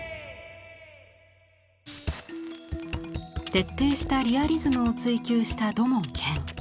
徹底したリアリズムを追求した土門拳。